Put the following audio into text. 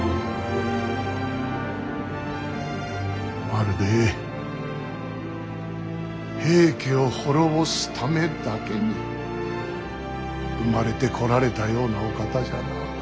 まるで平家を滅ぼすためだけに生まれてこられたようなお方じゃな。